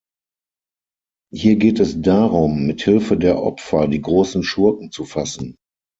Hier geht es darum, mit Hilfe der Opfer die großen Schurken zu fassen.